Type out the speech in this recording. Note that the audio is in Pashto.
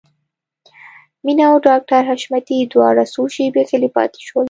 مينه او ډاکټر حشمتي دواړه څو شېبې غلي پاتې شول.